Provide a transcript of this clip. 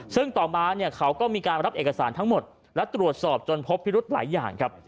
ซึ่งต่อมาเนี่ยเขาก็มีการรับเอกสารทั้งหมดและตรวจสอบจนพบพิรุธหลายอย่างครับ